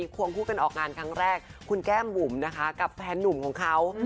คุณแก้มบุ่มนะคะกับแฟนนุมของเขา